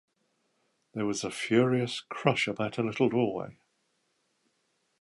There was a furious crush about a little doorway.